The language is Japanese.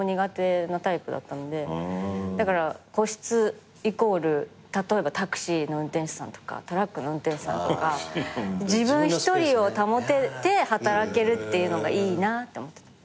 だから個室イコール例えばタクシーの運転手さんとかトラックの運転手さんとか自分一人を保てて働けるってのがいいなって思ってた。